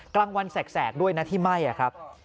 กลางวันแสกด้วยนะที่ไหม้ครับ